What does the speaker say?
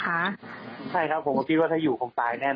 ใช่ครับผมก็คิดว่าถ้าอยู่คงตายแน่น